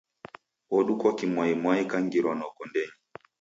Odukwa kimwaimwai kangirwa noko ndenyi.